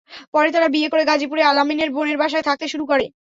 পরে তারা বিয়ে করে গাজীপুরে আল-আমিনের বোনের বাসায় থাকতে শুরু করে।